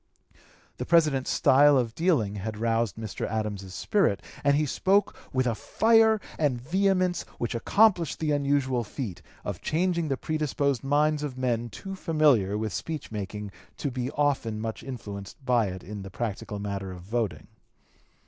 The President's style of dealing had roused Mr. Adams's spirit, and he spoke with a fire and vehemence which accomplished the unusual feat of changing the predisposed minds of men too familiar with speech making to be often much influenced by it in the practical matter of voting.